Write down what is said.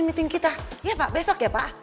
semoga history berada dimana